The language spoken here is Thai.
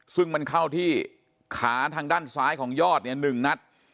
ซึ่งมันเข้าที่ขาทางด้านซ้ายของยอดเนี่ย๑นัด